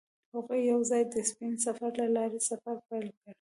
هغوی یوځای د سپین سفر له لارې سفر پیل کړ.